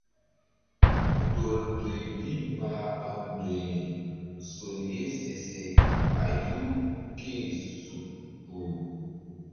Ndol ndoy bi mbah ɓa ndoyri sol ye se se ɓayu ké-e suk kpuh.